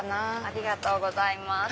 ありがとうございます。